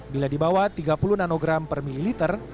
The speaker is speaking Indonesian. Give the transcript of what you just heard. bila dibawa tiga puluh nanogram per mililiter